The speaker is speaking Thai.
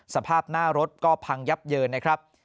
สภาพหน้ารถก็พังยับเยินนะครับ